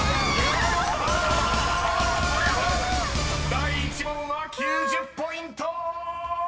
［第１問は９０ポイント！］